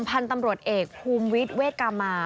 ภัลตำรวจเอกภูมิวิทเวสกรามา